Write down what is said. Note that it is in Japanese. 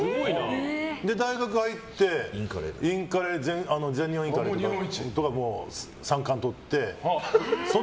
大学に入って、インカレ全日本インカレとかで三冠をとって。